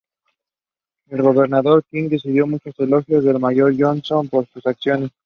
El Gobernador King dedicó muchos elogios al Mayor Johnston por sus acciones.